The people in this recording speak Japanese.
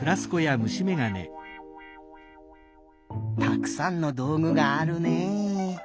たくさんのどうぐがあるね。